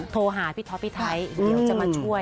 โทรหาพี่ท็อปพี่ไทยเดี๋ยวจะมาช่วย